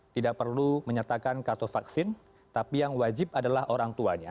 tidak perlu menyertakan kartu vaksin tapi yang wajib adalah orang tuanya